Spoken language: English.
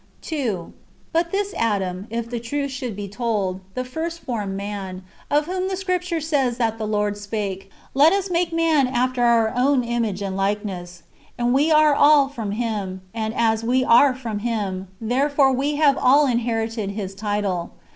2. But this is Adam, if the truth should be told, the first formed man, of whom the Scripture says that the Lord spake, ^' Let us make man after our own image and like ness ;"^ and we are all from him : and as we are from him, therefore have we all inherited his title.